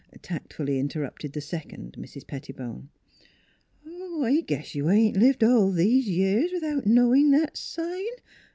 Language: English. " tactfully interrupted the second Mrs. Pettibone. " Oh, I guess you ain't lived all these years without knowin' that sign.